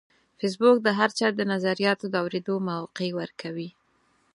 فېسبوک د هر چا د نظریاتو د اورېدو موقع ورکوي